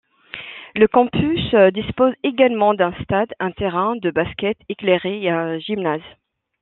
Le campus dispose également d'un stade, un terrain de basket éclairé et un gymnase.